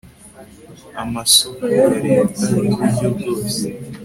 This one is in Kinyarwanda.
amasoko ya leta y uburyo bwose